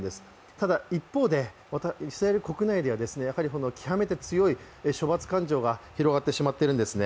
ただ一方で、イスラエル国内では極めて強い処罰感情が広がってしまっているんですね。